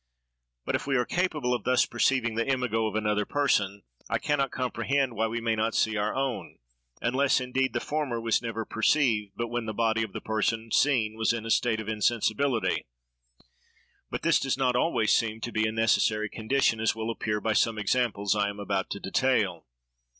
But if we are capable of thus perceiving the imago of another person, I can not comprehend why we may not see our own; unless, indeed, the former was never perceived but when the body of the person seen was in a state of insensibility; but this does not always seem to be a necessary condition, as will appear by some examples I am about to detail.